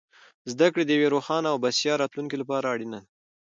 زده کړه د یوې روښانه او بسیا راتلونکې لپاره اړینه ده.